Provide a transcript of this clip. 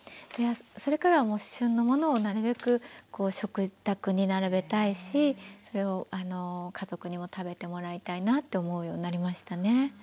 それからは旬のものをなるべく食卓に並べたいしそれを家族にも食べてもらいたいなって思うようになりましたね。